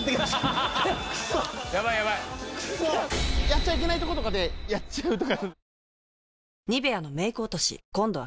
やっちゃいけないとことかでやっちゃうとか。